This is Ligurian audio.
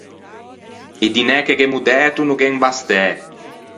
I dinæ che gh’emmo dæto no gh’en bastæ.